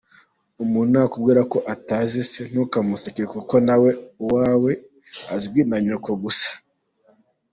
Umuntu nakubwira ko atazi se, ntukamuseke, kuko nawe uwawe azwi na Nyoko gusa.